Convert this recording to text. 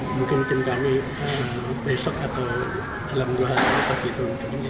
mungkin tim kami besok atau dalam dua hari begitu